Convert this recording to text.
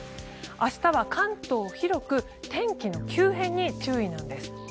明日は関東広く天気の急変に注意なんです。